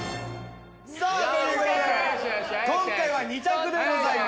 さあということで怪しい怪しい今回は２択でございます